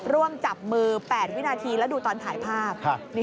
ร่วมจับมือ๘วินาทีแล้วดูตอนถ่ายภาพ